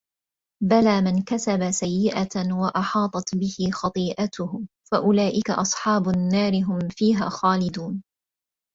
بَلَىٰ مَنْ كَسَبَ سَيِّئَةً وَأَحَاطَتْ بِهِ خَطِيئَتُهُ فَأُولَٰئِكَ أَصْحَابُ النَّارِ ۖ هُمْ فِيهَا خَالِدُونَ